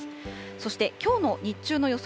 そしてきょうの日中の予想